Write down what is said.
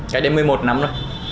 cách đến một mươi một năm rồi